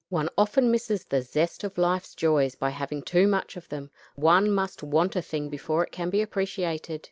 One often misses the zest of life's joys by having too much of them. One must want a thing before it can be appreciated.